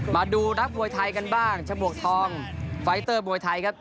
มาดูนักมวยไทยกันบ้างฉบวกทองไฟเตอร์มวยไทยครับ